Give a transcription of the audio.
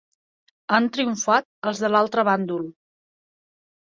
Han triomfat els de l'altre bàndol.